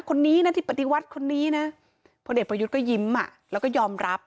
คนนี้นะที่ปฏิวัติคนนี้นะพลเอกประยุทธ์ก็ยิ้มแล้วก็ยอมรับ